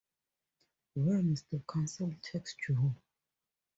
When is the council tax due?